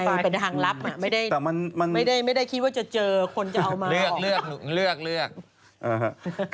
ไม่ว่าจะเจอคนจะเอามาออก